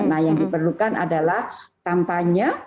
nah yang diperlukan adalah kampanye